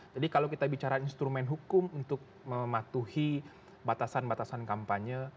kalau kita bicara instrumen hukum untuk mematuhi batasan batasan kampanye